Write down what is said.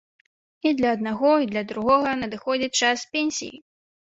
І для аднаго, і для другога надыходзіць час пенсіі.